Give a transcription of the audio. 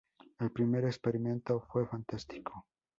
El primer experimento fue fantástico.